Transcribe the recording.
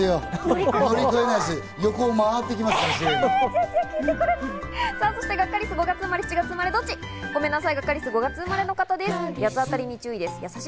ガッカりすはごめんなさい、５月生まれの方です。